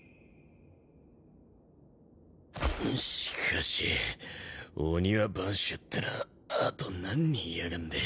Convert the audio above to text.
しかし御庭番衆ってのはあと何人いやがんでえ。